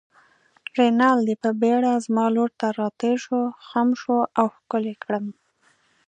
رینالډي په بېړه زما لور ته راتېر شو، خم شو او ښکل يې کړم.